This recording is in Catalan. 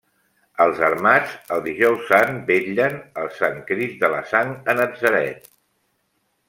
Els armats, el Dijous Sant, vetllen el Sant Crist de la Sang a Natzaret.